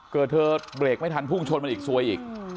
เธอเบรกไม่ทันพุ่งชนมันอีกซวยอีก